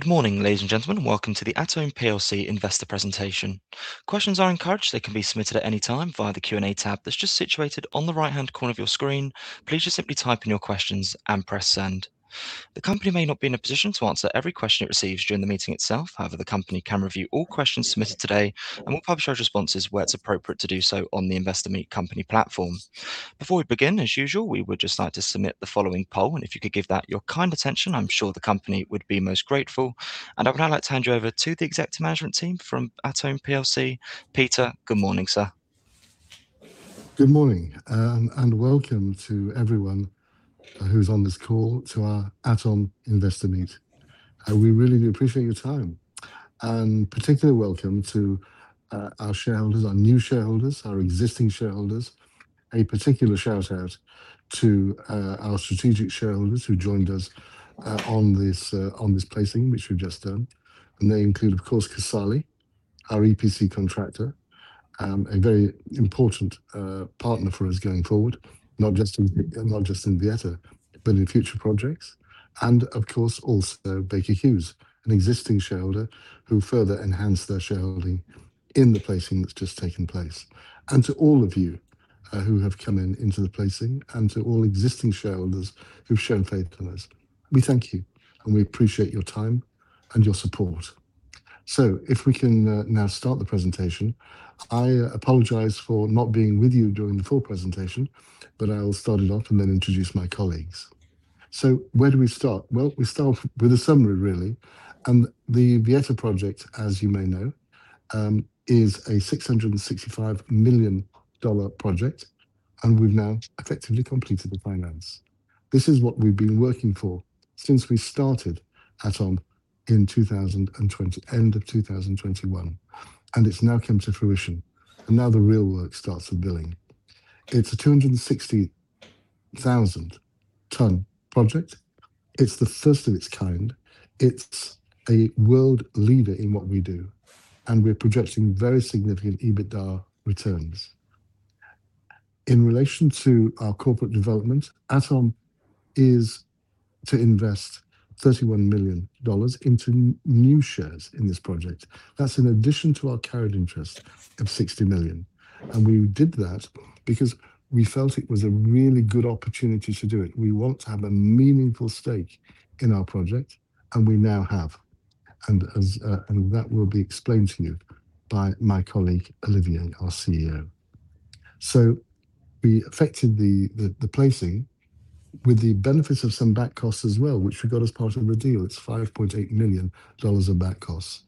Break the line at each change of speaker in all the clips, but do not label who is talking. Good morning, ladies and gentlemen, and welcome to the ATOME Plc investor presentation. Questions are encouraged. They can be submitted at any time via the Q&A tab that's just situated on the right-hand corner of your screen. Please just simply type in your questions and press send. The company may not be in a position to answer every question it receives during the meeting itself. However, the company can review all questions submitted today, and we'll publish our responses where it's appropriate to do so on the Investor Meet Company platform. Before we begin, as usual, we would just like to submit the following poll, and if you could give that your kind attention, I'm sure the company would be most grateful. I would now like to hand you over to the executive management team from ATOME Plc. Peter, good morning, sir.
Good morning, welcome to everyone who's on this call to our ATOME Investor Meet. We really do appreciate your time and particularly welcome to our shareholders, our new shareholders, our existing shareholders. A particular shout-out to our strategic shareholders who joined us on this placing which we've just done, and they include, of course, Casale, our EPC contractor, a very important partner for us going forward, not just in Villeta but in future projects. Of course also Baker Hughes, an existing shareholder who further enhanced their shareholding in the placing that's just taken place. To all of you who have come into the placing and to all existing shareholders who've shown faith in us, we thank you, and we appreciate your time and your support. If we can now start the presentation, I apologize for not being with you during the full presentation, but I'll start it off and then introduce my colleagues. Where do we start? Well, we start with a summary, really. The Villeta Project, as you may know, is a $665 million project, and we've now effectively completed the finance. This is what we've been working for since we started ATOME at the end of 2021, and it's now come to fruition, and now the real work starts with building. It's a 260,000 ton project. It's the first of its kind. It's a world leader in what we do, and we're projecting very significant EBITDA returns. In relation to our corporate development, ATOME is to invest $31 million into new shares in this project. That's in addition to our carried interest of $60 million, and we did that because we felt it was a really good opportunity to do it. We want to have a meaningful stake in our project, and we now have, and that will be explained to you by my colleague, Olivier, our CEO. We effected the placing with the benefits of some back costs as well, which we got as part of the deal. It's $5.8 million of back costs.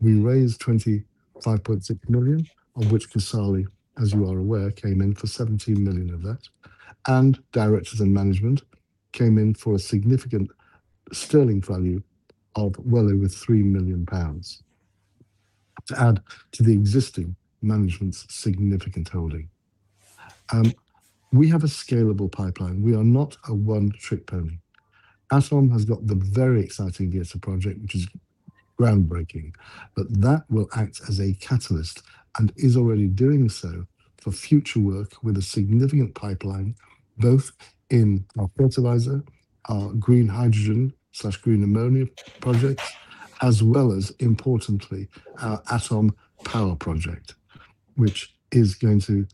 We raised 25.6 million, of which Casale, as you are aware, came in for 17 million of that, and directors and management came in for a significant sterling value of well over 3 million pounds to add to the existing management's significant holding. We have a scalable pipeline. We are not a one-trick pony. ATOME has got the very exciting Villeta Project, which is groundbreaking, but that will act as a catalyst and is already doing so for future work with a significant pipeline, both in our fertiliser, our green hydrogen/green ammonia projects, as well as importantly, our ATOME POWER project, which is going to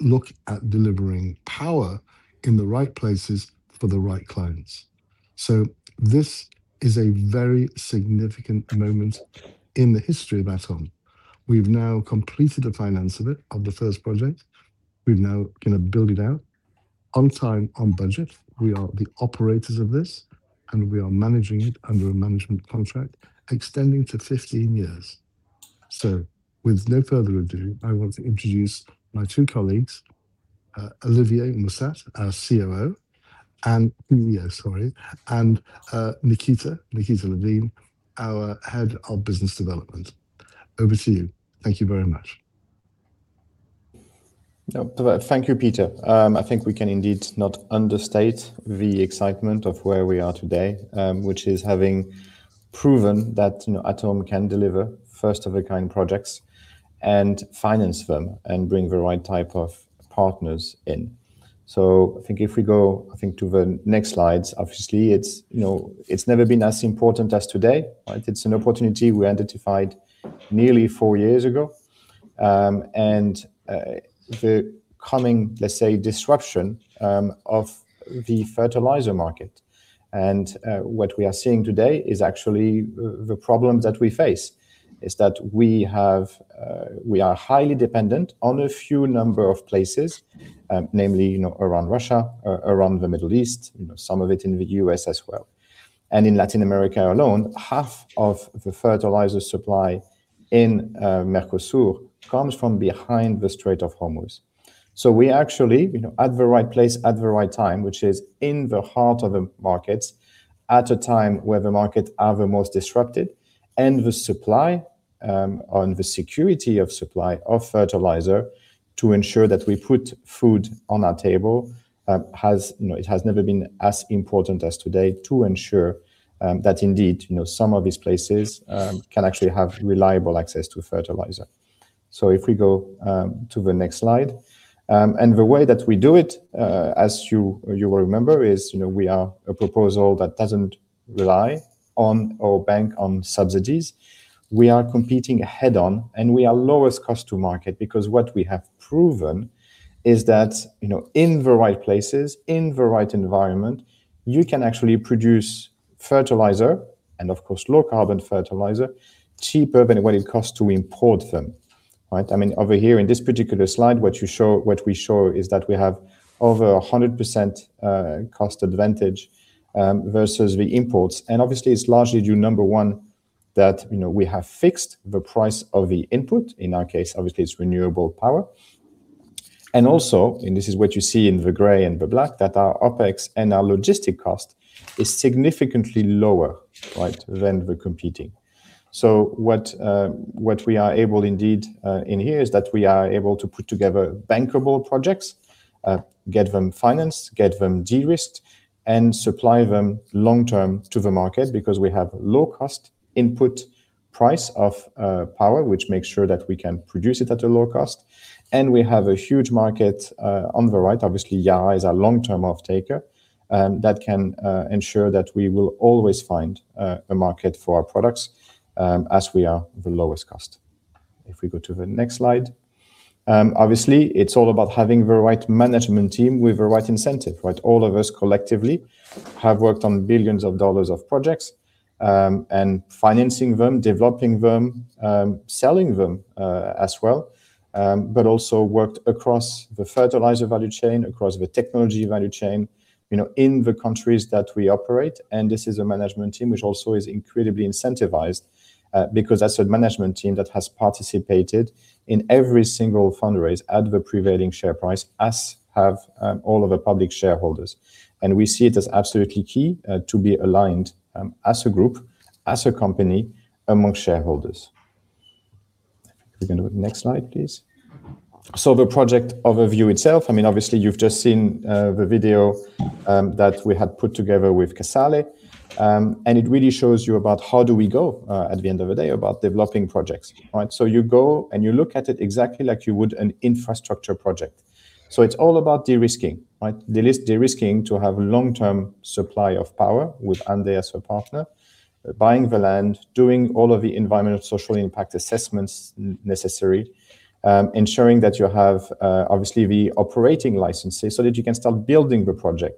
look at delivering power in the right places for the right clients. This is a very significant moment in the history of ATOME. We've now completed the finance of it, of the first project. We're now gonna build it out on time, on budget. We are the operators of this, and we are managing it under a management contract extending to 15 years. With no further ado, I want to introduce my two colleagues, Olivier Mussat, our CEO, sorry, and Nikita Levine, our Head of Business Development. Over to you. Thank you very much.
No, thank you, Peter. I think we can indeed not understate the excitement of where we are today, which is having proven that, you know, ATOME can deliver first-of-their-kind projects and finance them and bring the right type of partners in. I think if we go, I think to the next slides, obviously it's, you know, it's never been as important as today, right? It's an opportunity we identified nearly four years ago, and the coming, let's say, disruption of the fertiliser market. What we are seeing today is actually the problem that we face is that we have, we are highly dependent on a few number of places, namely, you know, around Russia, around the Middle East, you know, some of it in the U.S. as well. In Latin America alone, half of the fertiliser supply in Mercosur comes from behind the Strait of Hormuz. We actually, you know, at the right place at the right time, which is in the heart of the markets at a time where the markets are the most disrupted and the supply on the security of supply of fertiliser to ensure that we put food on our table has, you know, it has never been as important as today to ensure that indeed, you know, some of these places can actually have reliable access to fertiliser. If we go to the next slide. The way that we do it, as you will remember, is, you know, we are a proposal that doesn't rely on or bank on subsidies. We are competing head-on, and we are lowest cost to market, because what we have proven is that, you know, in the right places, in the right environment, you can actually produce fertiliser and of course, low carbon fertiliser, cheaper than what it costs to import them, right? I mean, over here in this particular slide, what we show is that we have over 100% cost advantage versus the imports. Obviously it's largely due, number one, that, you know, we have fixed the price of the input. In our case, obviously it's renewable power. Also, and this is what you see in the gray and the black, that our OpEx and our logistic cost is significantly lower, right, than the competing. What we are able to do here is put together bankable projects, get them financed, get them de-risked, and supply them long-term to the market because we have low-cost input price of power, which makes sure that we can produce it at a low cost. We have a huge market on the right. Obviously, Yara is a long-term offtaker that can ensure that we will always find a market for our products as we are the lowest cost. If we go to the next slide. Obviously, it's all about having the right management team with the right incentive, right? All of us collectively have worked on billions of dollars of projects and financing them, developing them, selling them as well. Also worked across the fertiliser value chain, across the technology value chain, you know, in the countries that we operate. This is a management team, which also is incredibly incentivized, because that's a management team that has participated in every single fundraise at the prevailing share price, as have all of the public shareholders. We see it as absolutely key to be aligned as a group, as a company among shareholders. We can do the next slide, please. The project overview itself, I mean, obviously you've just seen the video that we had put together with Casale. It really shows you about how do we go at the end of the day about developing projects, right? You go and you look at it exactly like you would an infrastructure project. It's all about de-risking, right? De-risking to have long-term supply of power with ANDE as a partner, buying the land, doing all of the environmental social impact assessments necessary, ensuring that you have, obviously the operating licenses so that you can start building the project.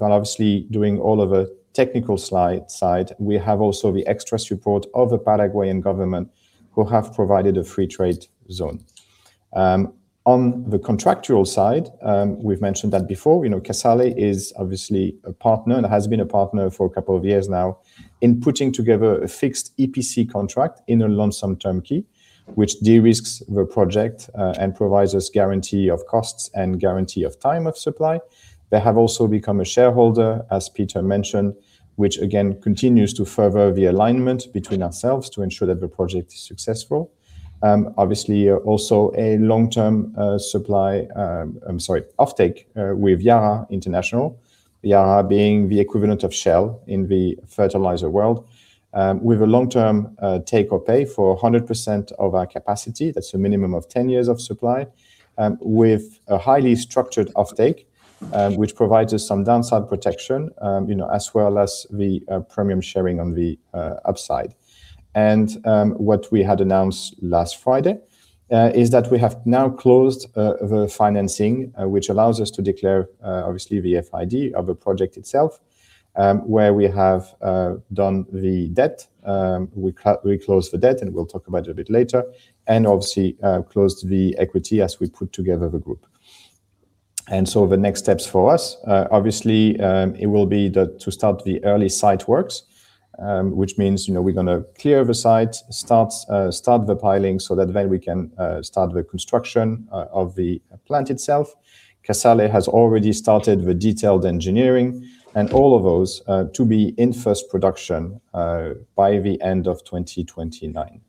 While obviously doing all of the technical side, we have also the extra support of the Paraguayan government who have provided a Free-Trade Zone. On the contractual side, we've mentioned that before. You know, Casale is obviously a partner and has been a partner for a couple of years now in putting together a fixed EPC contract in a lump sum turnkey, which de-risks the project, and provides us guarantee of costs and guarantee of time of supply. They have also become a shareholder, as Peter mentioned, which again continues to further the alignment between ourselves to ensure that the project is successful. Obviously also a long-term offtake with Yara International. Yara being the equivalent of Shell in the fertiliser world. With a long-term take or pay for 100% of our capacity. That's a minimum of 10 years of supply with a highly structured offtake which provides us some downside protection, you know, as well as the premium sharing on the upside. What we had announced last Friday is that we have now closed the financing which allows us to declare obviously the FID of the project itself, where we have done the debt. We closed the debt, and we'll talk about it a bit later. Obviously closed the equity as we put together the group. The next steps for us obviously it will be to start the early site works, which means, you know, we're gonna clear the site, start the piling so that then we can start the construction of the plant itself. Casale has already started the detailed engineering and all of those to be in first production by the end of 2029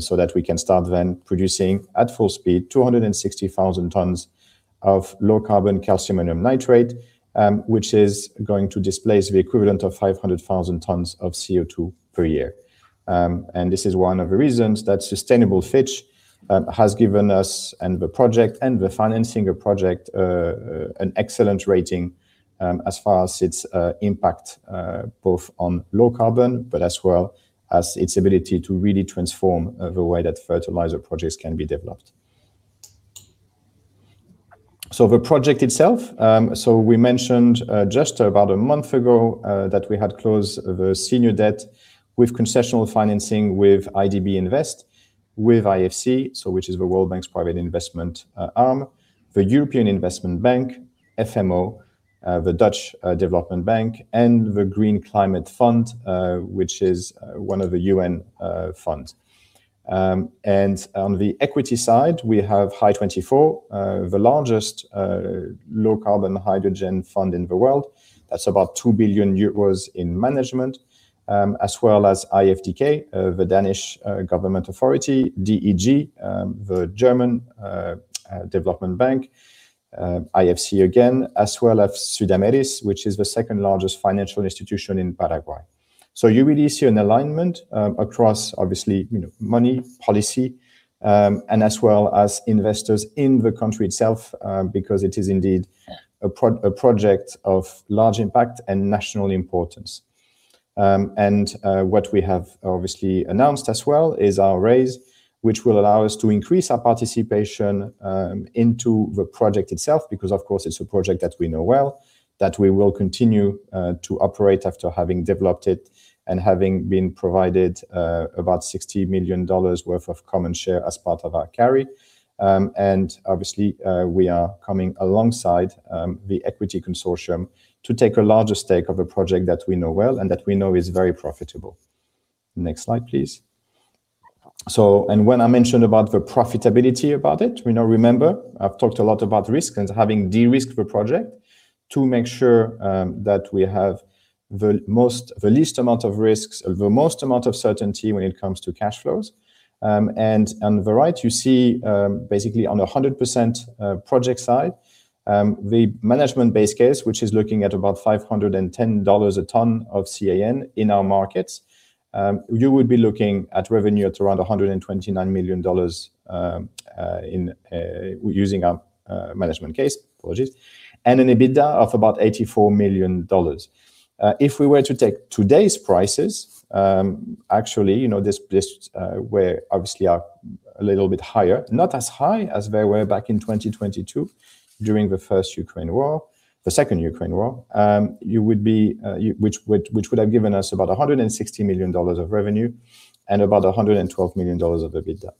so that we can start then producing at full speed 260,000 tons of low carbon Calcium Ammonium Nitrate, which is going to displace the equivalent of 500,000 tons of CO2 per year. This is one of the reasons that Sustainable Fitch has given us and the project and the financing of project an excellent rating, as far as its impact both on low carbon, but as well as its ability to really transform the way that fertiliser projects can be developed. The project itself, we mentioned just about a month ago that we had closed the senior debt with concessional financing with IDB Invest, with IFC, which is the World Bank's private investment arm, the European Investment Bank, FMO, the Dutch development bank, and the Green Climate Fund, which is one of the UN funds. On the equity side, we have Hy24, the largest low carbon hydrogen fund in the world. That's about 2 billion euros in management, as well as IFDK, the Danish government authority, DEG, the German Development Bank. IFC again, as well as Sudameris, which is the second-largest financial institution in Paraguay. You really see an alignment, across obviously, you know, money, policy, and as well as investors in the country itself, because it is indeed a project of large impact and national importance. What we have obviously announced as well is our raise, which will allow us to increase our participation, into the project itself, because of course it's a project that we know well, that we will continue, to operate after having developed it and having been provided, about $60 million worth of common share as part of our carry. Obviously, we are coming alongside the equity consortium to take a larger stake of a project that we know well and that we know is very profitable. Next slide, please. When I mentioned about the profitability about it, we now remember I've talked a lot about risk and having de-risked the project to make sure that we have the least amount of risks, the most amount of certainty when it comes to cash flows. On the right you see basically on a 100% project side the management base case, which is looking at about $510 a ton of CAN in our markets, you would be looking at revenue at around $129 million in using our management case. Apologies. An EBITDA of about $84 million. If we were to take today's prices, actually, you know, this, where obviously are a little bit higher, not as high as they were back in 2022 during the second Ukraine war, you would be which would have given us about $160 million of revenue and about $112 million of EBITDA.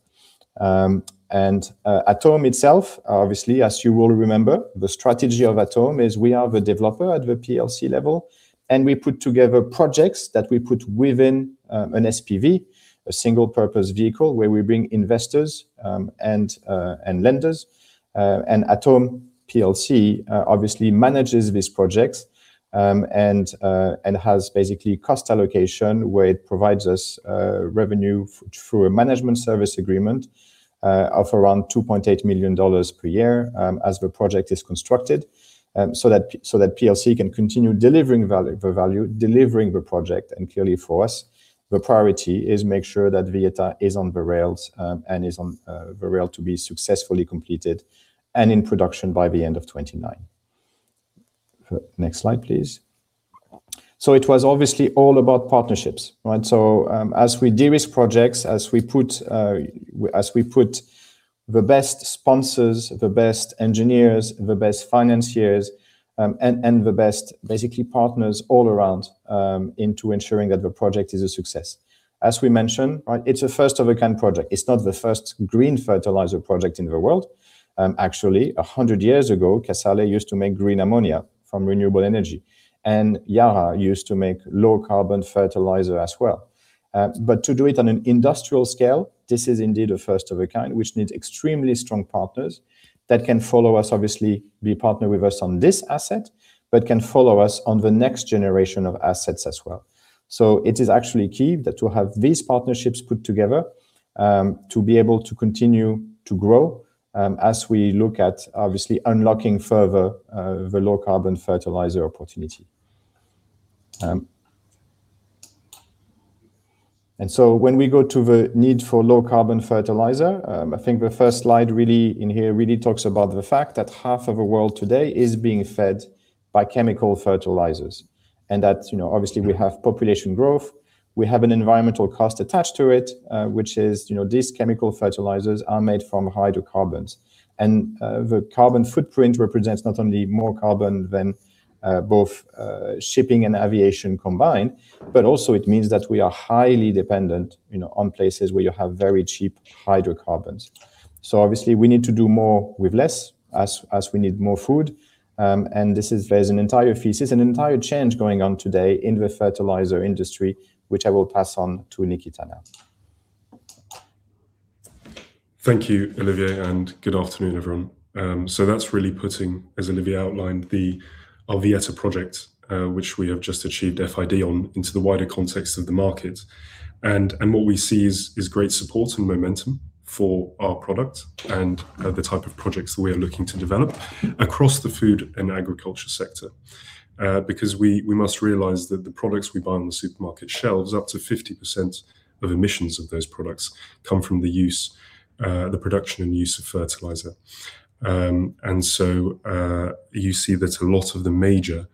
ATOME itself, obviously, as you will remember, the strategy of ATOME is we are the developer at the Plc level, and we put together projects that we put within an SPV, a single purpose vehicle, where we bring investors and lenders. ATOME Plc obviously manages these projects and has basically cost allocation where it provides us revenue through a management service agreement of around $2.8 million per year as the project is constructed so that Plc can continue delivering value, delivering the project. Clearly for us, the priority is to make sure that Villeta is on the rails and is on the rail to be successfully completed and in production by the end of 2029. Next slide, please. It was obviously all about partnerships, right? As we de-risk projects, as we put the best sponsors, the best engineers, the best financiers and the best basically partners all around into ensuring that the project is a success. As we mentioned, right, it's a first-of-a-kind project. It's not the first green fertiliser project in the world. Actually, a hundred years ago, Casale used to make green ammonia from renewable energy, and Yara used to make low-carbon fertiliser as well. But to do it on an industrial scale, this is indeed a first of a kind which needs extremely strong partners that can follow us, obviously be partner with us on this asset, but can follow us on the next generation of assets as well. It is actually key that to have these partnerships put together, to be able to continue to grow, as we look at obviously unlocking further, the low-carbon fertiliser opportunity. When we go to the need for low-carbon fertiliser, I think the first slide really talks about the fact that half of the world today is being fed by chemical fertilisers. You know, obviously we have population growth, we have an environmental cost attached to it, which is, you know, these chemical fertilisers are made from hydrocarbons. The carbon footprint represents not only more carbon than both shipping and aviation combined, but also it means that we are highly dependent, you know, on places where you have very cheap hydrocarbons. Obviously we need to do more with less as we need more food. There's an entire thesis, an entire change going on today in the fertiliser industry, which I will pass on to Nikita now.
Thank you, Olivier, and good afternoon, everyone. That's really putting, as Olivier outlined, our Villeta Project, which we have just achieved FID on into the wider context of the market. What we see is great support and momentum for our product and the type of projects that we are looking to develop across the food and agriculture sector. Because we must realize that the products we buy on the supermarket shelves, up to 50% of emissions of those products come from the production and use of fertiliser. You see that a lot of the major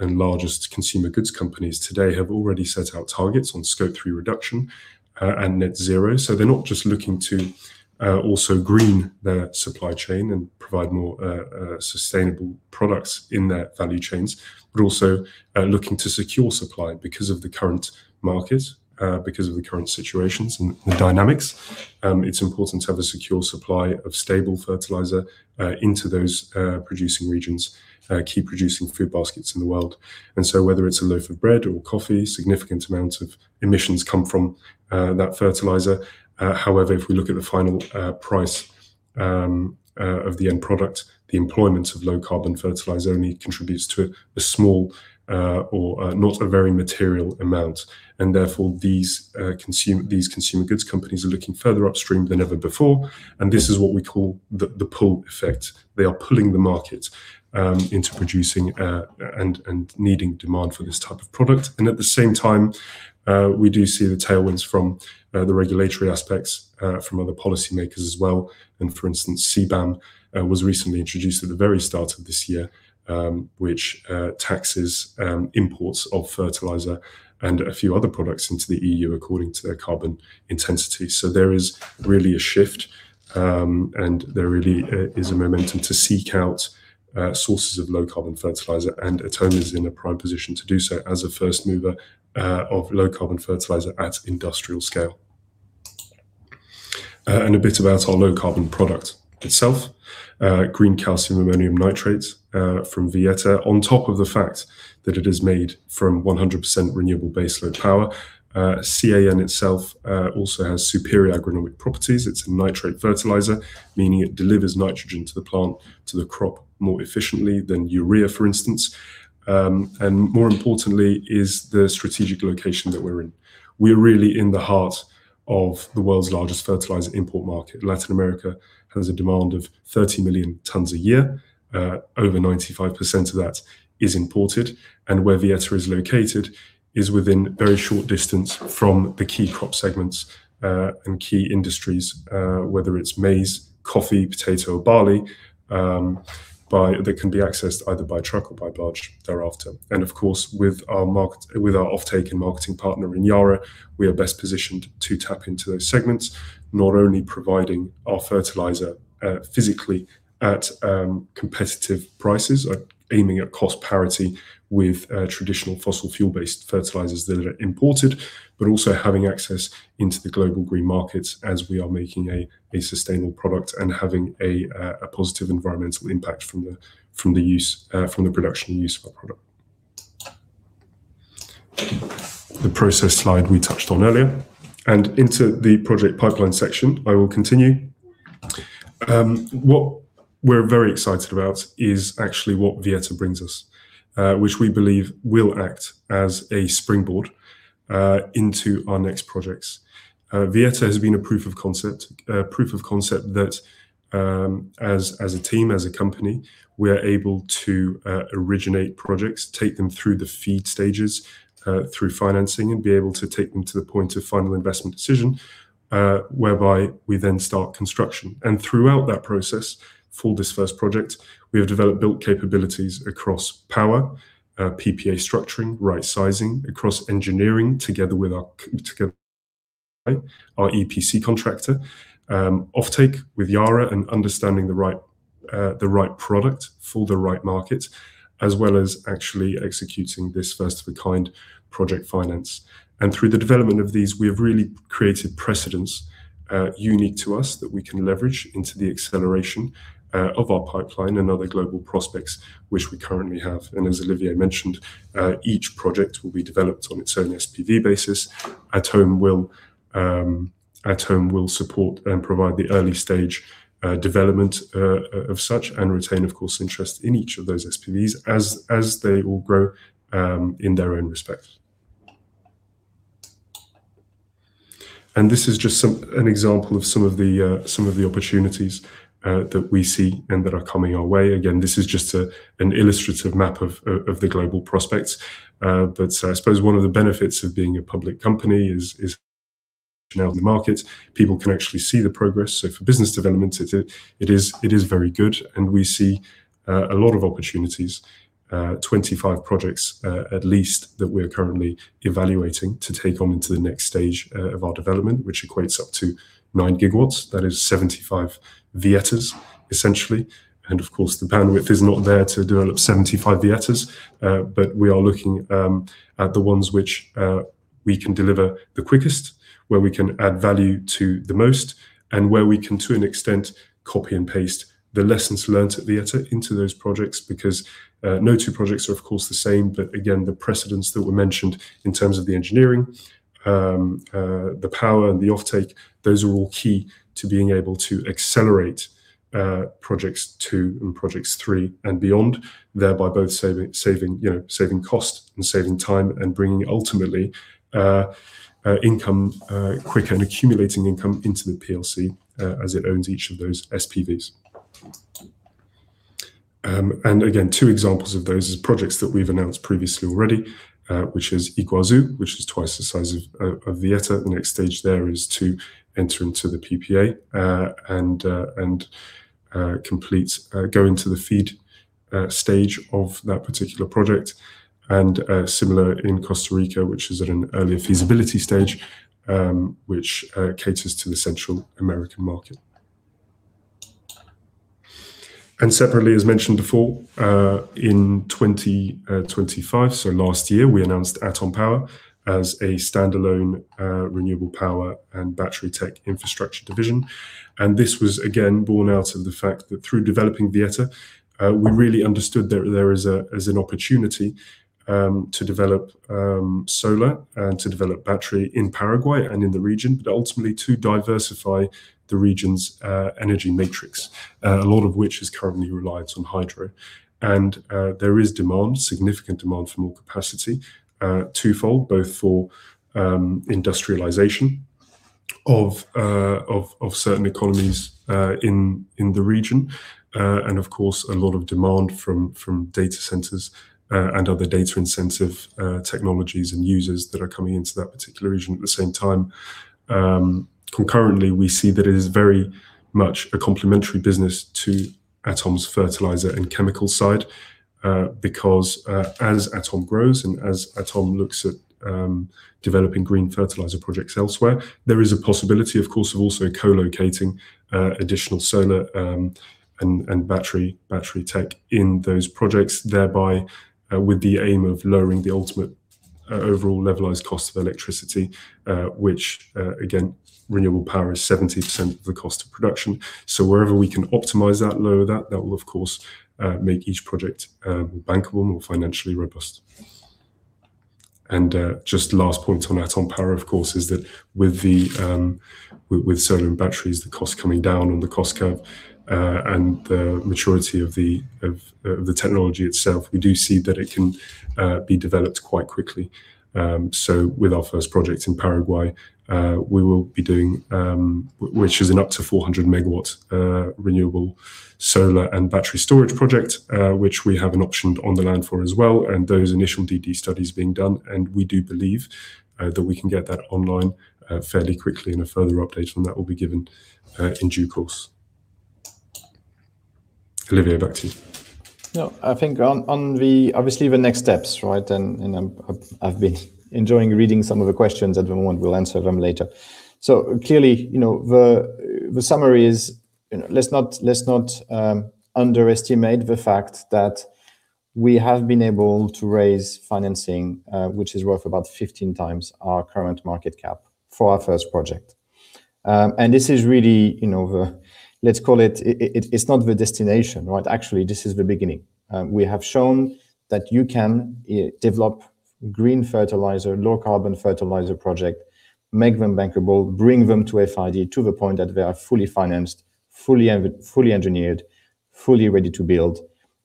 and largest consumer goods companies today have already set out targets on Scope 3 reduction and net zero. They're not just looking to also green their supply chain and provide more sustainable products in their value chains, but also looking to secure supply because of the current market because of the current situations and the dynamics. It's important to have a secure supply of stable fertiliser into those producing regions, key producing food baskets in the world. Whether it's a loaf of bread or coffee, significant amounts of emissions come from that fertiliser. However, if we look at the final price of the end product, the employment of low-carbon fertiliser only contributes to a small or not a very material amount. Therefore, these consumer goods companies are looking further upstream than ever before, and this is what we call the pull effect. They are pulling the market into producing and needing demand for this type of product. At the same time, we do see the tailwinds from the regulatory aspects from other policymakers as well. For instance, CBAM was recently introduced at the very start of this year, which taxes imports of fertiliser and a few other products into the EU according to their carbon intensity. There is really a shift and there really is a momentum to seek out sources of low-carbon fertiliser, and ATOME is in a prime position to do so as a first mover of low-carbon fertiliser at industrial scale. A bit about our low-carbon product itself. Green Calcium Ammonium Nitrate from Villeta. On top of the fact that it is made from 100% renewable base load power, CAN itself also has superior agronomic properties. It's a nitrate fertiliser, meaning it delivers nitrogen to the plant, to the crop more efficiently than urea, for instance. More importantly is the strategic location that we're in. We're really in the heart of the world's largest fertiliser import market. Latin America has a demand of 30 million tons a year. Over 95% of that is imported, and where Villeta is located is within very short distance from the key crop segments, and key industries, whether it's maize, coffee, potato or barley. They can be accessed either by truck or by barge thereafter. Of course, with our offtake and marketing partner in Yara, we are best positioned to tap into those segments. Not only providing our fertiliser physically at competitive prices, aiming at cost parity with traditional fossil fuel-based fertilisers that are imported, but also having access into the global green markets as we are making a sustainable product and having a positive environmental impact from the production and use of our product. The process slide we touched on earlier. Into the project pipeline section, I will continue. What we're very excited about is actually what Villeta brings us, which we believe will act as a springboard into our next projects. Villeta has been a proof of concept. Proof of concept that, as a team, as a company, we are able to originate projects, take them through the FEED stages, through financing, and be able to take them to the point of final investment decision, whereby we then start construction. Throughout that process, for this first project, we have developed built capabilities across power, PPA structuring, right sizing, across engineering together with our EPC contractor, offtake with Yara and understanding the right product for the right market, as well as actually executing this first-of-a-kind project finance. Through the development of these, we have really created precedents unique to us that we can leverage into the acceleration of our pipeline and other global prospects which we currently have. As Olivier mentioned, each project will be developed on its own SPV basis. ATOME will support and provide the early stage development of such and retain, of course, interest in each of those SPVs as they all grow in their own respect. This is just an example of some of the opportunities that we see and that are coming our way. Again, this is just an illustrative map of the global prospects. I suppose one of the benefits of being a public company is now in the market, people can actually see the progress. For business development, it is very good and we see a lot of opportunities, 25 projects, at least, that we're currently evaluating to take on into the next stage of our development, which equates up to 9 GW. That is 75xVilleta, essentially. Of course, the bandwidth is not there to develop 75xVilleta. But we are looking at the ones which we can deliver the quickest, where we can add value to the most, and where we can, to an extent, copy and paste the lessons learned at Villeta into those projects. Because no two projects are of course the same. Again, the precedents that were mentioned in terms of the engineering, the power and the offtake, those are all key to being able to accelerate projects two and projects three and beyond. Thereby both saving cost and saving time and bringing ultimately income quicker and accumulating income into the Plc as it owns each of those SPVs. Again, two examples of those is projects that we've announced previously already. Which is Yguazu, which is twice the size of Villeta. The next stage there is to enter into the PPA and complete go into the FEED stage of that particular project. Similar in Costa Rica, which is at an early feasibility stage, which caters to the Central American market. Separately, as mentioned before, in 2025, so last year, we announced ATOME POWER as a standalone renewable power and battery tech infrastructure division. This was again borne out of the fact that through developing Villeta, we really understood there is an opportunity to develop solar and to develop battery in Paraguay and in the region, but ultimately to diversify the region's energy matrix. A lot of which is currently reliant on hydro. There is demand, significant demand for more capacity. Twofold, both for industrialization of certain economies in the region. Of course a lot of demand from data centers and other data intensive technologies and users that are coming into that particular region at the same time. Concurrently, we see that it is very much a complementary business to ATOME's fertiliser and chemical side, because as ATOME grows and as ATOME looks at developing green fertiliser projects elsewhere, there is a possibility, of course, of also co-locating additional solar and battery tech in those projects, thereby with the aim of lowering the ultimate. Overall levelized cost of electricity, which, again, renewable power is 70% of the cost of production. Wherever we can optimize that, lower that will of course make each project more bankable, more financially robust. Just last point on ATOME POWER, of course, is that with solar and batteries, the cost coming down on the cost curve, and the maturity of the technology itself, we do see that it can be developed quite quickly. With our first project in Paraguay, we will be doing, which is up to 400 MW renewable solar and battery storage project, which we have an option on the land for as well, and those initial DD studies being done. We do believe that we can get that online fairly quickly, and a further update on that will be given in due course. Olivier, back to you.
No, I think on the, obviously, the next steps, right? I've been enjoying reading some of the questions at the moment. We'll answer them later. Clearly, you know, the summary is, you know, let's not underestimate the fact that we have been able to raise financing, which is worth about 15 times our current market cap for our first project. And this is really, you know, the, let's call it. It's not the destination, right? Actually, this is the beginning. We have shown that you can develop green fertiliser, low carbon fertiliser project, make them bankable, bring them to FID to the point that they are fully financed, fully engineered, fully ready to build,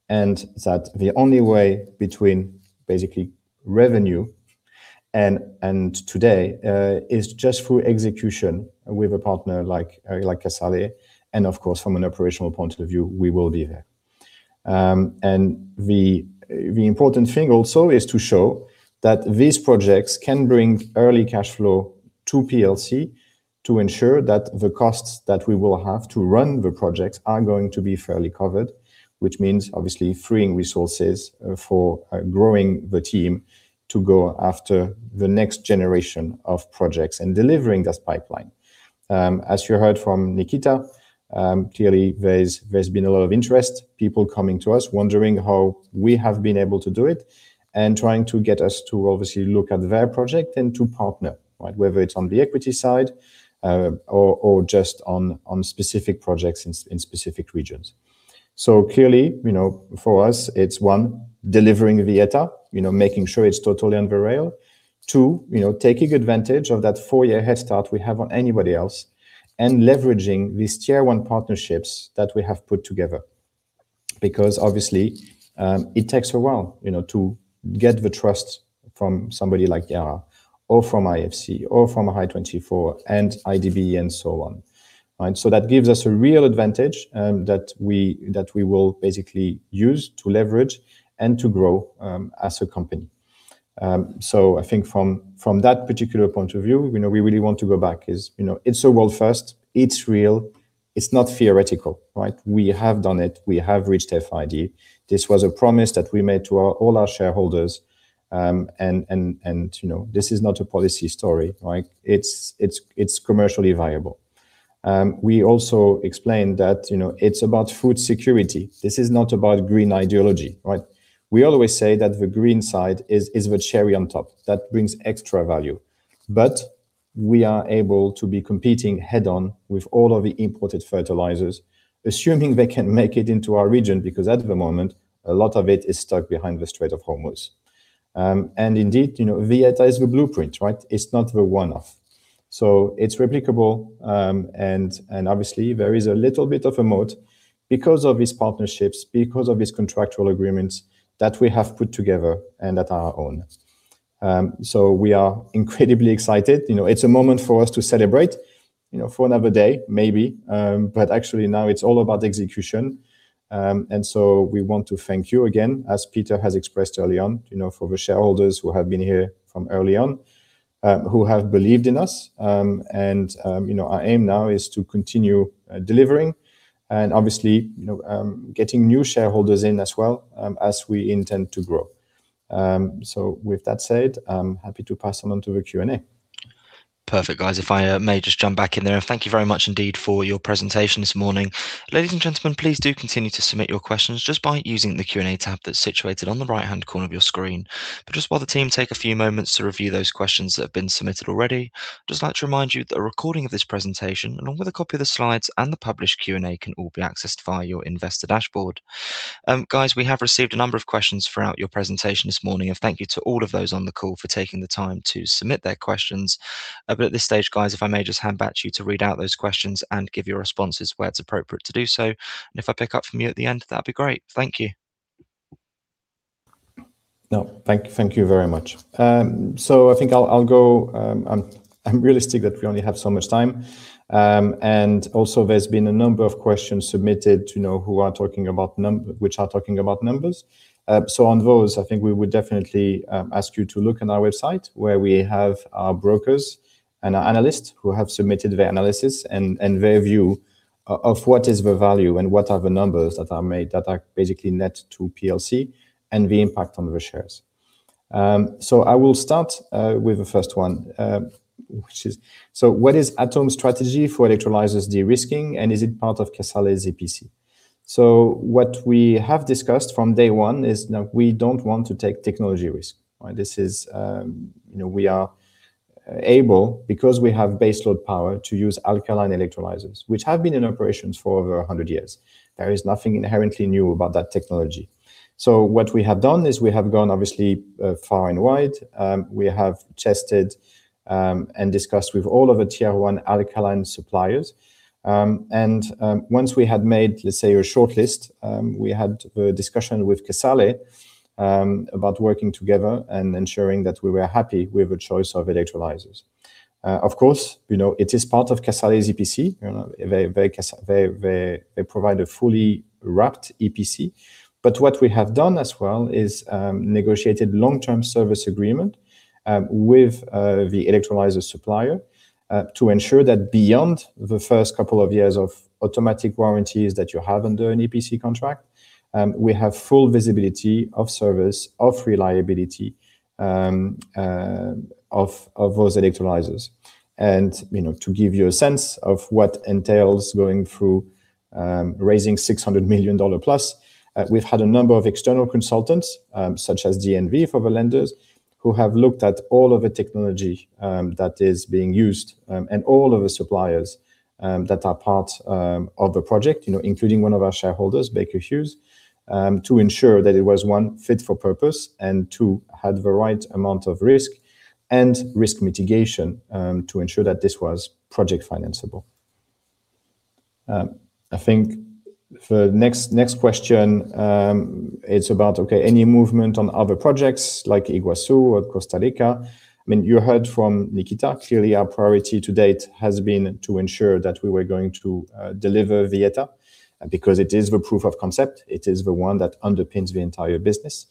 and that the only way between basically revenue and today is just through execution with a partner like Casale. Of course, from an operational point of view, we will be there. The important thing also is to show that these projects can bring early cash flow to Plc to ensure that the costs that we will have to run the projects are going to be fairly covered, which means obviously freeing resources for growing the team to go after the next generation of projects and delivering this pipeline. As you heard from Nikita, clearly there's been a lot of interest, people coming to us wondering how we have been able to do it and trying to get us to obviously look at their project and to partner, right? Whether it's on the equity side, or just on specific projects in specific regions. Clearly, you know, for us it's one, delivering Villeta, you know, making sure it's totally on the rail. Two, you know, taking advantage of that four-year head start we have on anybody else and leveraging these Tier 1 partnerships that we have put together because obviously, it takes a while, you know, to get the trust from somebody like Yara or from IFC or from Hy24 and IDB and so on, right? That gives us a real advantage that we will basically use to leverage and to grow as a company. I think from that particular point of view, you know, we really want to go back to this, you know, it's a world first. It's real. It's not theoretical, right? We have done it. We have reached FID. This was a promise that we made to all our shareholders. You know, this is not a policy story, right? It's commercially viable. We also explained that, you know, it's about food security. This is not about green ideology, right? We always say that the green side is the cherry on top that brings extra value. We are able to be competing head on with all of the imported fertilisers, assuming they can make it into our region, because at the moment, a lot of it is stuck behind the Strait of Hormuz. Indeed, you know, Villeta is the blueprint, right? It's not the one-off. It's replicable. Obviously there is a little bit of a moat because of these partnerships, because of these contractual agreements that we have put together and that are our own. We are incredibly excited. You know, it's a moment for us to celebrate, you know, for another day maybe. Actually now it's all about execution. We want to thank you again, as Peter has expressed early on, you know, for the shareholders who have been here from early on, who have believed in us. You know, our aim now is to continue delivering and obviously, you know, getting new shareholders in as well as we intend to grow. With that said, I'm happy to pass on to the Q&A.
Perfect. Guys, if I may just jump back in there. Thank you very much indeed for your presentation this morning. Ladies and gentlemen, please do continue to submit your questions just by using the Q&A tab that's situated on the right-hand corner of your screen. Just while the team take a few moments to review those questions that have been submitted already, just like to remind you that a recording of this presentation along with a copy of the slides and the published Q&A can all be accessed via your investor dashboard. Guys, we have received a number of questions throughout your presentation this morning. Thank you to all of those on the call for taking the time to submit their questions. At this stage, guys, if I may just hand back to you to read out those questions and give your responses where it's appropriate to do so. If I pick up from you at the end, that'd be great. Thank you.
No, thank you very much. I think I'll go, I'm realistic that we only have so much time. Also there's been a number of questions submitted, you know, which are talking about numbers. On those, I think we would definitely ask you to look on our website where we have our brokers and our analysts who have submitted their analysis and their view of what is the value and what are the numbers that are made that are basically net to Plc and the impact on the shares. I will start with the first one, which is, what is ATOME's strategy for electrolyzers de-risking, and is it part of Casale EPC? What we have discussed from day one is that we don't want to take technology risk. This is, you know, we are able, because we have baseload power, to use alkaline electrolyzers, which have been in operations for over 100 years. There is nothing inherently new about that technology. What we have done is we have gone obviously far and wide. We have tested and discussed with all of the Tier 1 alkaline suppliers. And once we had made, let's say, a shortlist, we had a discussion with Casale about working together and ensuring that we were happy with the choice of electrolyzers. Of course, you know, it is part of Casale's EPC. You know, they provide a fully wrapped EPC. What we have done as well is negotiated long-term service agreement with the electrolyzer supplier to ensure that beyond the first couple of years of automatic warranties that you have under an EPC contract, we have full visibility of service, of reliability, of those electrolyzers. You know, to give you a sense of what entails going through raising $600 million+, we've had a number of external consultants such as DNV for the lenders, who have looked at all of the technology that is being used and all of the suppliers that are part of the project, you know, including one of our shareholders, Baker Hughes, to ensure that it was, one, fit for purpose, and two, had the right amount of risk and risk mitigation to ensure that this was project financeable. I think for next question, it's about, okay, any movement on other projects like Yguazu or Costa Rica? I mean, you heard from Nikita. Clearly, our priority to date has been to ensure that we were going to deliver Villeta, because it is the proof of concept. It is the one that underpins the entire business.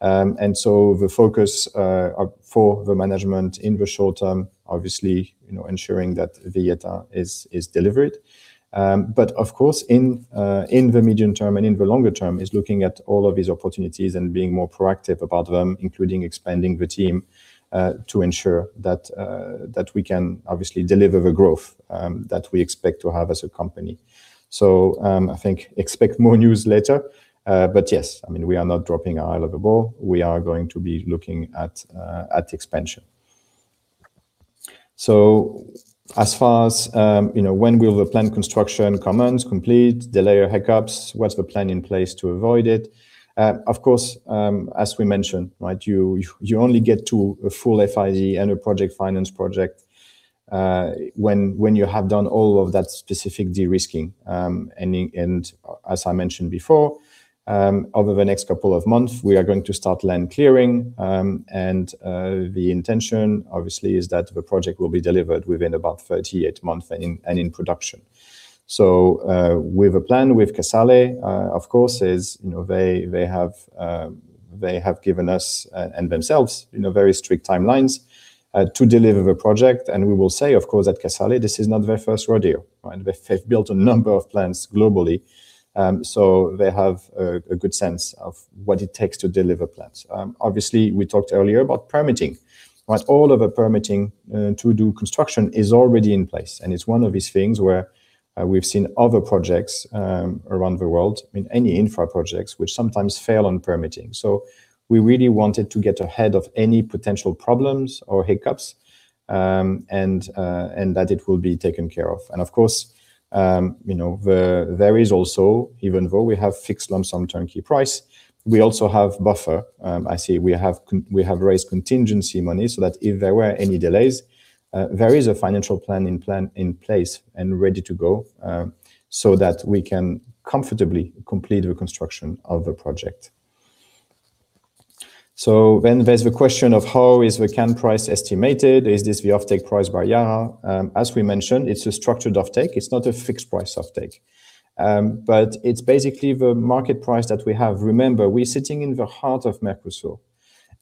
The focus for the management in the short term, obviously, you know, ensuring that Villeta is delivered. Of course, in the medium term and in the longer term is looking at all of these opportunities and being more proactive about them, including expanding the team to ensure that we can obviously deliver the growth that we expect to have as a company. I think. Expect more news later. Yes, I mean, we are not taking our eye off the ball. We are going to be looking at expansion. As far as, you know, when will the planned construction commence, complete, delay or hiccups, what's the plan in place to avoid it? Of course, as we mentioned, right, you only get to a full FID and a project finance project, when you have done all of that specific de-risking. As I mentioned before, over the next couple of months, we are going to start land clearing. The intention obviously is that the project will be delivered within about 38 months and in production. We have a plan with Casale, of course. You know, they have given us and themselves, you know, very strict timelines to deliver the project. We will say, of course, that Casale, this is not their first rodeo, right? They've built a number of plants globally, so they have a good sense of what it takes to deliver plants. Obviously, we talked earlier about permitting, right? All of the permitting to do construction is already in place, and it's one of these things where we've seen other projects around the world, I mean, any infra projects which sometimes fail on permitting. We really wanted to get ahead of any potential problems or hiccups, and that it will be taken care of. Of course, you know, there is also, even though we have fixed lump sum turnkey price, we also have buffer. I say we have raised contingency money so that if there were any delays, there is a financial plan in place and ready to go, so that we can comfortably complete the construction of the project. There's the question of how is the CAN price estimated? Is this the offtake price by Yara? As we mentioned, it's a structured offtake. It's not a fixed price offtake. But it's basically the market price that we have. Remember, we're sitting in the heart of Mercosur,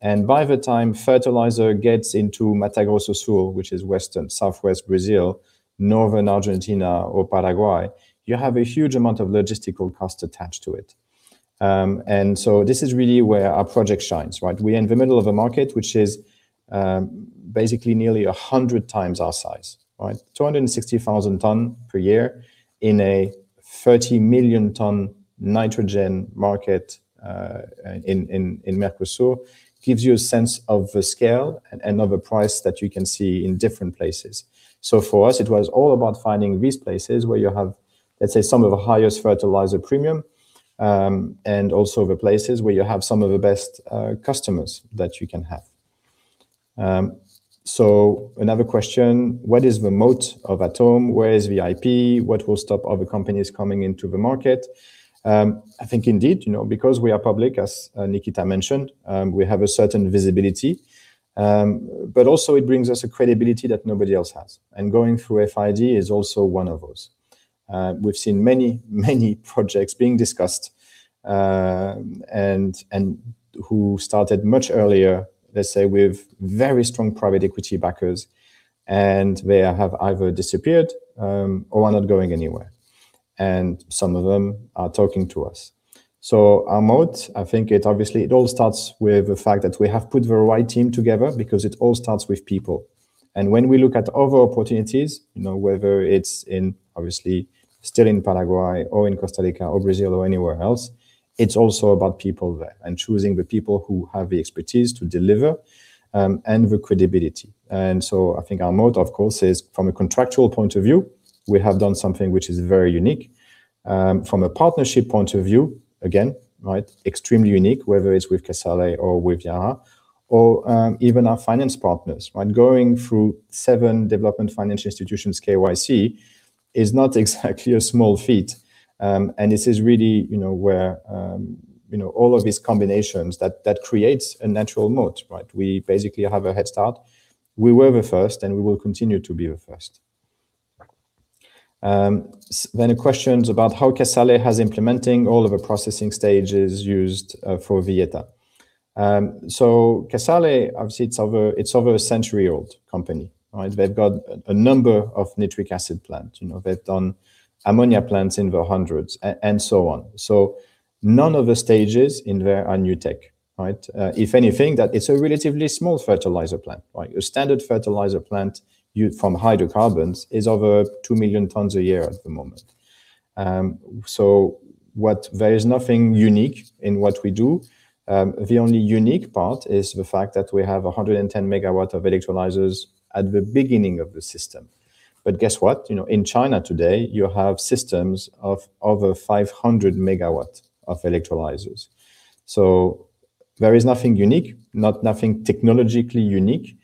and by the time fertiliser gets into Mato Grosso do Sul, which is Western, Southwest Brazil, Northern Argentina or Paraguay, you have a huge amount of logistical costs attached to it. This is really where our project shines, right? We're in the middle of a market which is, basically nearly 100 times our size, right? 260,000 tons per year in a 30 million ton nitrogen market in Mercosur gives you a sense of the scale and of the price that you can see in different places. For us, it was all about finding these places where you have, let's say, some of the highest fertiliser premium, and also the places where you have some of the best, customers that you can have. Another question: What is the moat of ATOME? Where is the IP? What will stop other companies coming into the market? I think indeed, you know, because we are public, as Nikita mentioned, we have a certain visibility, but also it brings us a credibility that nobody else has. Going through FID is also one of those. We've seen many projects being discussed, and who started much earlier, let's say, with very strong private equity backers, and they have either disappeared, or are not going anywhere. Some of them are talking to us. Our moat, I think it obviously all starts with the fact that we have put the right team together because it all starts with people. When we look at other opportunities, you know, whether it's in obviously still in Paraguay or in Costa Rica or Brazil or anywhere else, it's also about people there and choosing the people who have the expertise to deliver, and the credibility. I think our moat, of course, is from a contractual point of view, we have done something which is very unique. From a partnership point of view, again, right, extremely unique, whether it's with Casale or with Yara or, even our finance partners, right? Going through seven development financial institutions KYC is not exactly a small feat. This is really, you know, where, you know, all of these combinations that creates a natural moat, right? We basically have a head start. We were the first, and we will continue to be the first. A question is about how Casale has implementing all of the processing stages used for Villeta. Casale, obviously it's over a century-old company, right? They've got a number of nitric acid plant, you know. They've done ammonia plants in the hundreds and so on. None of the stages in there are new tech, right? If anything, that it's a relatively small fertiliser plant, right? Your standard fertiliser plant from hydrocarbons is over 2 million tons a year at the moment. There is nothing unique in what we do. The only unique part is the fact that we have 110 MW of electrolyzers at the beginning of the system. Guess what? You know, in China today, you have systems of over 500 MW of electrolyzers. There is nothing technologically unique,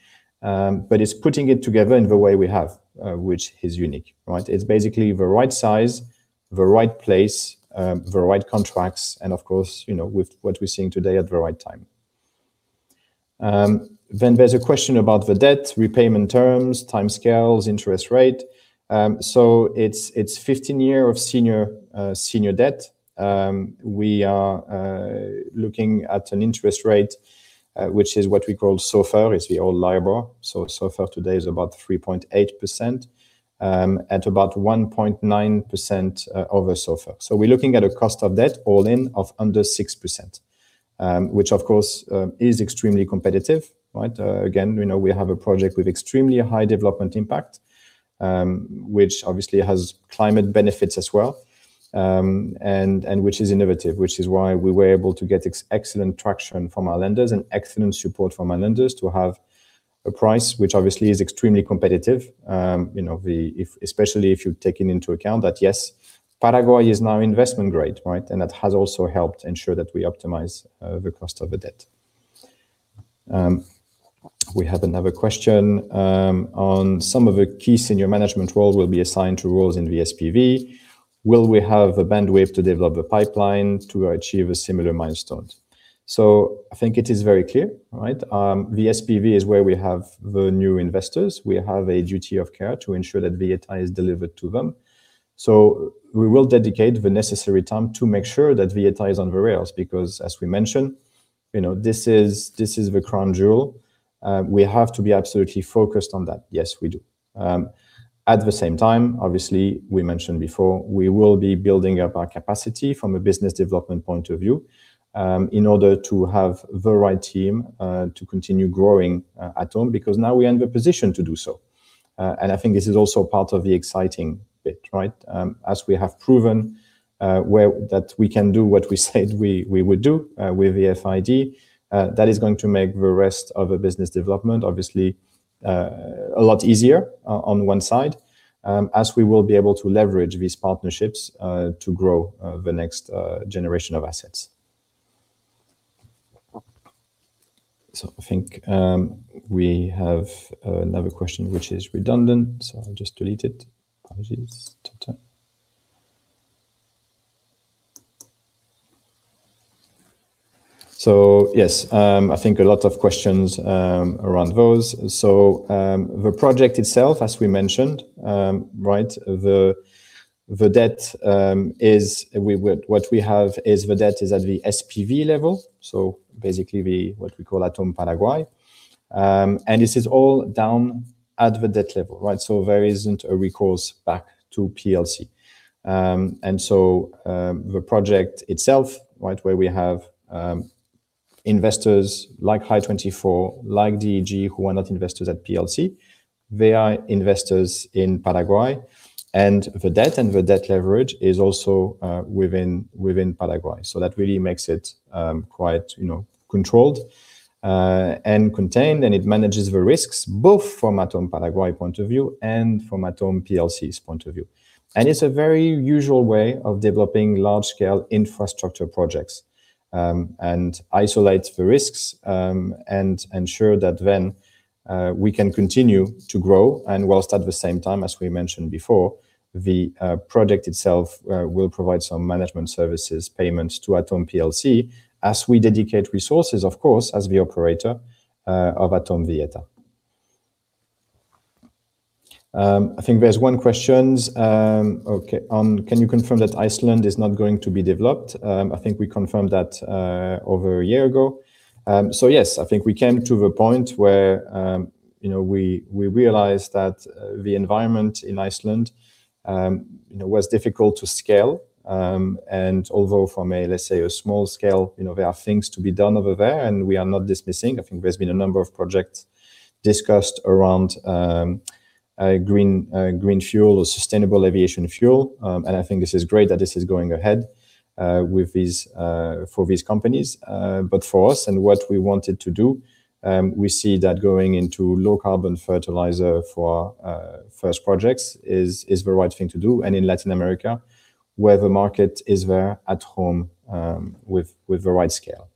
but it's putting it together in the way we have, which is unique, right? It's basically the right size, the right place, the right contracts and of course, you know, with what we're seeing today at the right time. There's a question about the debt repayment terms, timescales, interest rate. It's 15-year senior debt. We are looking at an interest rate, which is what we call SOFR. It's the old LIBOR. SOFR today is about 3.8%, at about 1.9% over SOFR. We're looking at a cost of debt all-in of under 6%, which of course is extremely competitive, right? Again, you know, we have a project with extremely high development impact, which obviously has climate benefits as well, and which is innovative, which is why we were able to get excellent traction from our lenders and excellent support from our lenders to have a price which obviously is extremely competitive. Especially if you're taking into account that, yes, Paraguay is now investment grade, right? That has also helped ensure that we optimize the cost of the debt. We have another question on some of the key senior management roles will be assigned to roles in the SPV. Will we have the bandwidth to develop a pipeline to achieve a similar milestone? I think it is very clear, right? The SPV is where we have the new investors. We have a duty of care to ensure that Villeta is delivered to them. We will dedicate the necessary time to make sure that Villeta is on the rails because as we mentioned, you know, this is the crown jewel. We have to be absolutely focused on that. Yes, we do. At the same time, obviously, we mentioned before, we will be building up our capacity from a business development point of view, in order to have the right team to continue growing ATOME, because now we are in the position to do so. I think this is also part of the exciting bit, right? As we have proven that we can do what we said we would do with FID, that is going to make the rest of the business development obviously a lot easier on one side, as we will be able to leverage these partnerships to grow the next generation of assets. I think we have another question which is redundant, so I'll just delete it. Apologies. Ta-ta. Yes, I think a lot of questions around those. The project itself, as we mentioned, what we have is the debt is at the SPV level. Basically what we call ATOME Paraguay. This is all down at the debt level, right? There isn't a recourse back to Plc. The project itself, right, where we have investors like Hy24, like DEG, who are not investors at Plc, they are investors in Paraguay. The debt leverage is also within Paraguay. That really makes it quite, you know, controlled and contained, and it manages the risks both from ATOME Paraguay point of view and from ATOME Plc's point of view. It's a very usual way of developing large-scale infrastructure projects and isolates the risks and ensures that then we can continue to grow. While at the same time, as we mentioned before, the project itself will provide some management services payments to ATOME Plc as we dedicate resources, of course, as the operator of ATOME Villeta. I think there's one question, okay, on can you confirm that Iceland is not going to be developed? I think we confirmed that over a year ago. So yes, I think we came to the point where, you know, we realized that the environment in Iceland, you know, was difficult to scale. And although from a, let's say a small scale, you know, there are things to be done over there and we are not dismissing. I think there's been a number of projects discussed around green fuel or sustainable aviation fuel. I think this is great that this is going ahead with these for these companies. For us and what we wanted to do, we see that going into low carbon fertiliser for first projects is the right thing to do. In Latin America, where the market is there at home, with the right scale.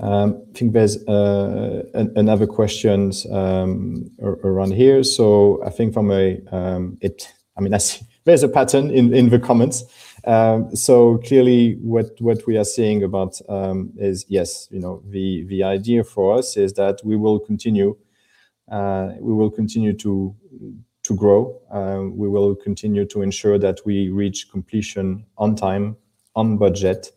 I think there's another question around here. I think from a it I mean that's there's a pattern in the comments. Clearly what we are seeing about is yes, you know, the idea for us is that we will continue to grow. We will continue to ensure that we reach completion on time, on budget.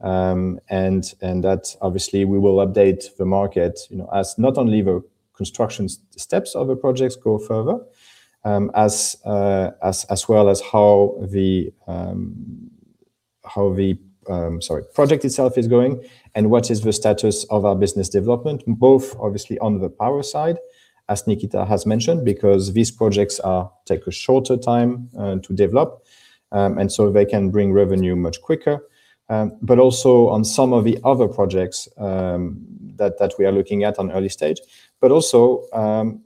That obviously we will update the market, you know, as not only the construction steps of the projects go further, as well as how the project itself is going and what is the status of our business development, both obviously on the power side, as Nikita has mentioned, because these projects take a shorter time to develop. They can bring revenue much quicker. Also on some of the other projects that we are looking at in early stage, you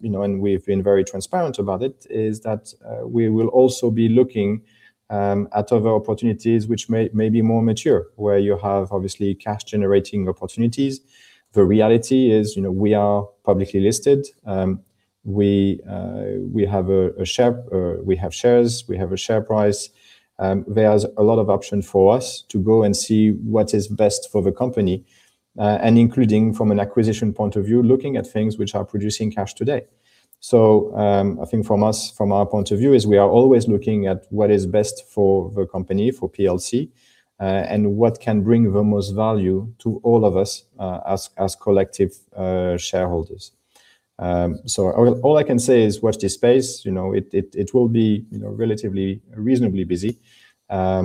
know, and we've been very transparent about it is that we will also be looking at other opportunities, which may be more mature where you have obviously cash-generating opportunities. The reality is, you know, we are publicly listed. We have a share price. There's a lot of option for us to go and see what is best for the company, and including from an acquisition point of view, looking at things which are producing cash today. I think from us, from our point of view is we are always looking at what is best for the company, for Plc, and what can bring the most value to all of us, as collective shareholders. All I can say is watch this space, you know, it will be, you know, relatively reasonably busy. I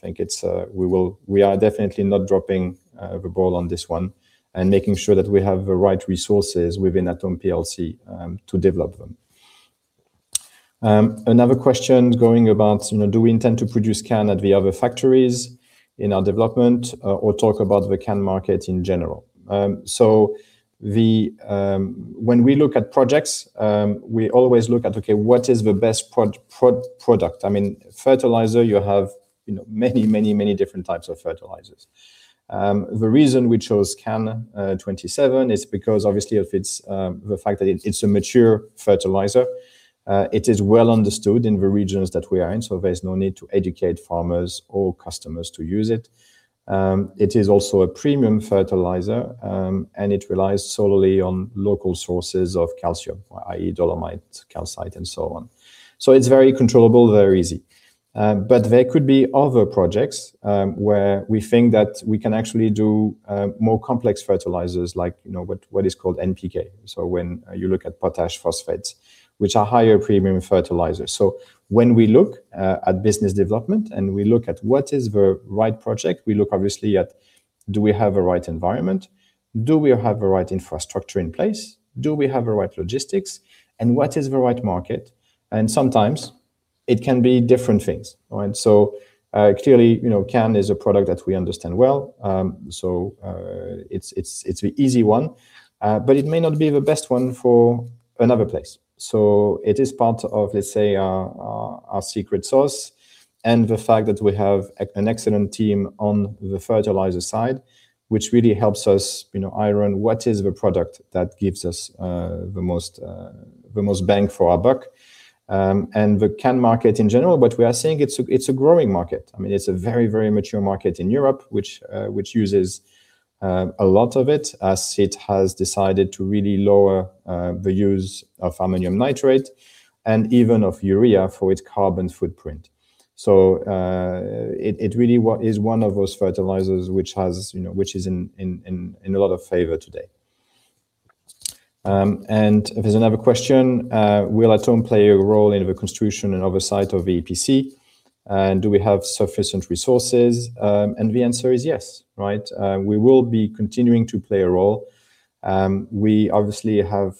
think it's we are definitely not dropping the ball on this one and making sure that we have the right resources within ATOME Plc to develop them. Another question going about, you know, do we intend to produce CAN at the other factories in our development or talk about the CAN market in general? When we look at projects, we always look at, okay, what is the best product? I mean, fertiliser, you have, you know, many different types of fertilisers. The reason we chose CAN-27 is because obviously it's the fact that it's a mature fertiliser, it is well understood in the regions that we are in. There's no need to educate farmers or customers to use it. It is also a premium fertiliser, and it relies solely on local sources of calcium, i.e. dolomite, calcite, and so on. It's very controllable, very easy. But there could be other projects, where we think that we can actually do more complex fertilisers like, you know, what is called NPK. When you look at potash phosphates, which are higher premium fertilisers. When we look at business development and we look at what is the right project, we look obviously at do we have the right environment? Do we have the right infrastructure in place? Do we have the right logistics? And what is the right market? And sometimes it can be different things, all right? Clearly, you know, CAN is a product that we understand well. It's the easy one, but it may not be the best one for another place. It is part of, let's say, our secret sauce and the fact that we have an excellent team on the fertiliser side, which really helps us, you know, iron out what is the product that gives us the most bang for our buck, and the CAN market in general. We are seeing it's a growing market. I mean, it's a very mature market in Europe, which uses a lot of it as it has decided to really lower the use of ammonium nitrate and even of urea for its carbon footprint. It really is one of those fertilisers which has, you know, which is in a lot of favor today. There's another question, will ATOME play a role in the construction and oversight of the EPC? And do we have sufficient resources? The answer is yes, right? We will be continuing to play a role. We obviously have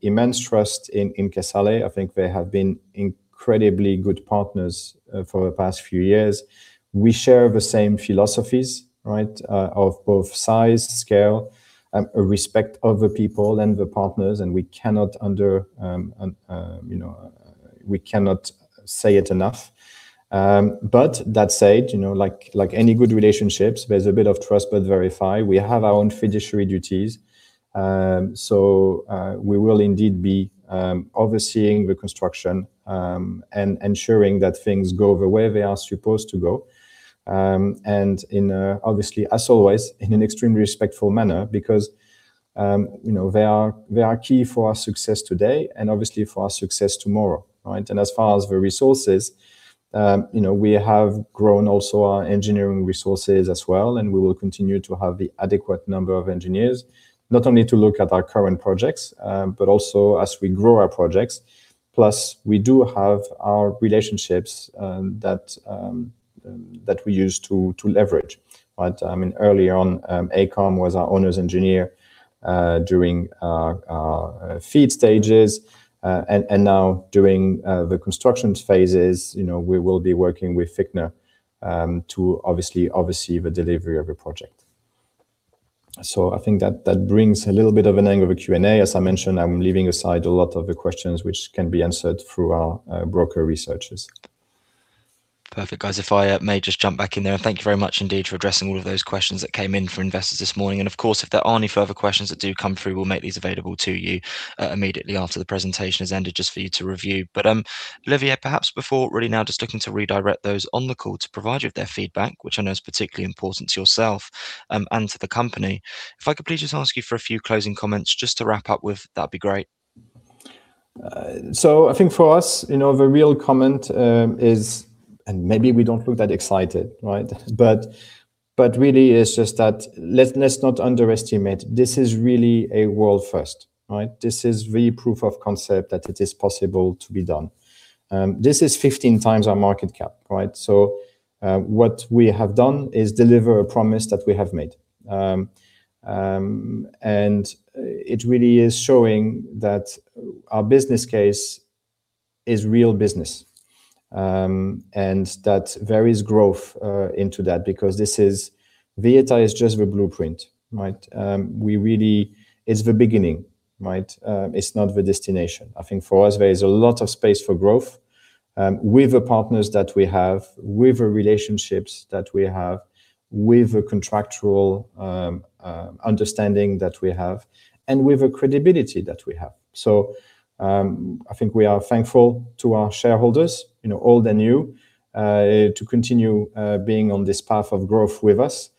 immense trust in Casale. I think they have been incredibly good partners for the past few years. We share the same philosophies, right, of both size, scale, a respect of the people and the partners, and we cannot say it enough. That said, you know, like any good relationships, there's a bit of trust but verify. We have our own fiduciary duties. We will indeed be overseeing the construction and ensuring that things go the way they are supposed to go. You know, they are key for our success today and obviously for our success tomorrow, right? As far as the resources, you know, we have grown also our engineering resources as well, and we will continue to have the adequate number of engineers, not only to look at our current projects, but also as we grow our projects. Plus we do have our relationships that we use to leverage, right? I mean, earlier on, AECOM was our owner's engineer during our FEED stages. Now during the construction phases, you know, we will be working with Fichtner to obviously oversee the delivery of the project. I think that brings to an end the Q&A. As I mentioned, I'm leaving aside a lot of the questions which can be answered through our broker researchers.
Perfect. Guys, if I may just jump back in there, thank you very much indeed for addressing all of those questions that came in from investors this morning. Of course, if there are any further questions that do come through, we'll make these available to you immediately after the presentation has ended just for you to review. Olivier, perhaps before really now just looking to redirect those on the call to provide you with their feedback, which I know is particularly important to yourself and to the company, if I could please just ask you for a few closing comments just to wrap up with, that'd be great.
I think for us, you know, the real comment is, and maybe we don't look that excited, right? Really it's just that let's not underestimate. This is really a world first, right? This is [real proof of concept] that it is possible to be done. This is 15 times our market cap, right? What we have done is deliver a promise that we have made. It really is showing that our business case is real business, and that there is growth into that because this is Villeta is just the blueprint, right? It's the beginning, right? It's not the destination. I think for us there is a lot of space for growth, with the partners that we have, with the relationships that we have, with the contractual understanding that we have, and with the credibility that we have. I think we are thankful to our shareholders, you know, old and new, to continue being on this path of growth with us.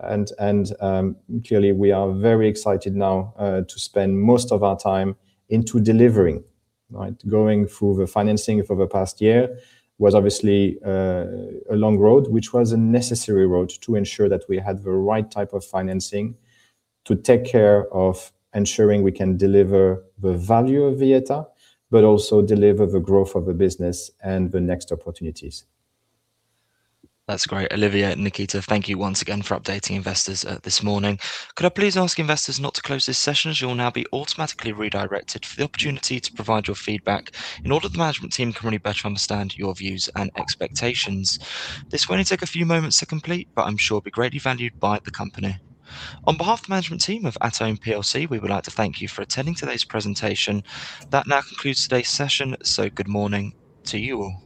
Clearly we are very excited now to spend most of our time into delivering, right. Going through the financing for the past year was obviously a long road, which was a necessary road to ensure that we had the right type of financing to take care of ensuring we can deliver the value of Villeta, but also deliver the growth of the business and the next opportunities.
That's great. Olivier and Nikita, thank you once again for updating investors this morning. Could I please ask investors not to close this session, as you'll now be automatically redirected for the opportunity to provide your feedback in order that the management team can really better understand your views and expectations. This will only take a few moments to complete, but I'm sure it'll be greatly valued by the company. On behalf of the management team of ATOME Plc, we would like to thank you for attending today's presentation. That now concludes today's session. Good morning to you all.